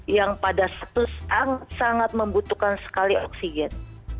yang pada saat itu sangat membutuhkan sekali oksigen